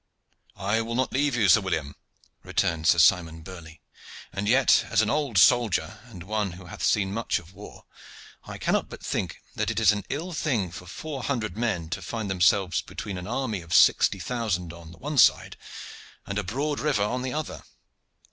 "I will not leave you, Sir William," returned Sir Simon Burley; "and yet, as an old soldier and one who hath seen much of war, I cannot but think that it is an ill thing for four hundred men to find themselves between an army of sixty thousand on the one side and a broad river on the other."